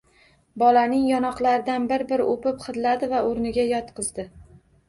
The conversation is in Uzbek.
Bolaning yonoqlaridan bir-bir o'pib, hidladi va o'rniga yotqizdi.